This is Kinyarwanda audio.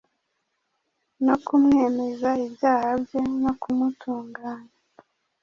no kumwemeza ibyaha bye no kumutunganya,